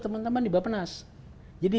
teman teman di bapenas jadi